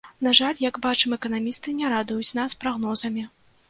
На жаль, як бачым, эканамісты не радуюць нас прагнозамі.